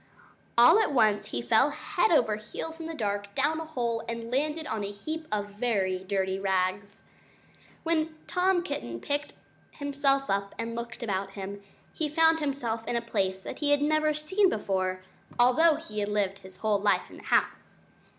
All at once he fell head over heels in the dark, down a hole, and landed on a heap of very dirty rags. When Tom Kitten picked himself up and looked about him, he found himself in a place that he had never seen before, although he had lived all his life in the house.